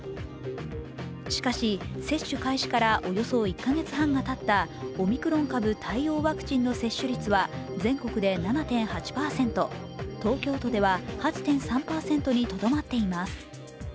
しかし接種開始からおよそ１か月半がたったオミクロン株対応ワクチンの接種率は、全国で７．８％東京都では８．３％にとどまっています。